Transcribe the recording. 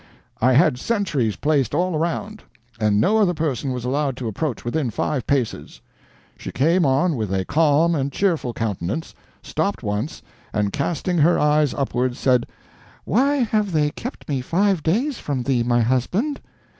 "I had sentries placed all around, and no other person was allowed to approach within five paces. She came on with a calm and cheerful countenance, stopped once, and casting her eyes upwards, said, 'Why have they kept me five days from thee, my husband?'